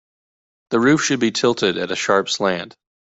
The roof should be tilted at a sharp slant.